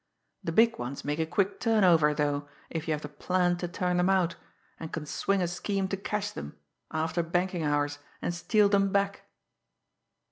"The big ones make a quick turn over, though, if you have the plant to turn them out, and can swing a scheme to cash them after banking hours and steal them back!